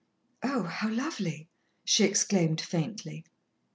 "Oh, how lovely!" she exclaimed faintly.